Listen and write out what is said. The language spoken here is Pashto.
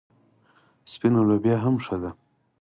سپینه لوبیا هم ښه ده.